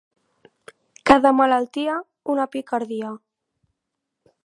Cada malaltia, una picardia.